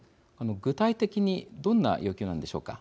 具体的にどんな要求なんでしょうか。